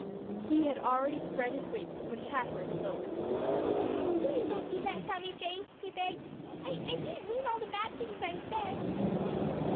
He had already spread his wings when Chatterer spoke. "Please don't do that, Sammy Jay," he begged, "I—I—I didn't mean all the bad things I have said."